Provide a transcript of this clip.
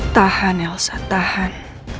tahan elsa tahan